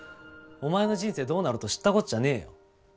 お前の人生どうなろうと知ったこっちゃねえよ。